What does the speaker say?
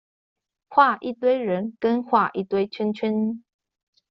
畫一堆人跟畫一堆圈圈